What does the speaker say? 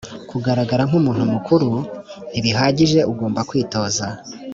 kugaragara nk’ umuntu mukuru ntibihagije ugomba kwitoza.